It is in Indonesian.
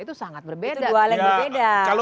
itu sangat berbeda